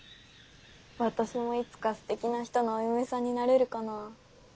私もいつかステキな人のお嫁さんになれるかなぁ。